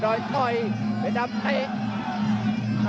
ยอดดอยน์ปล่อยเพชรดำ